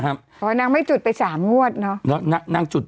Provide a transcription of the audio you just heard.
เพราะนางไม่จุดไป๓งวด